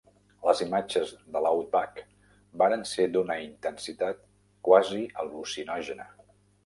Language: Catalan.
Les imatges de l'Outback varen ser d"una intensitat quasi al·lucinògena.